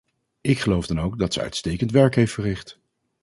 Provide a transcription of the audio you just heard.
Ik geloof dan ook dat ze uitstekend werk heeft verricht.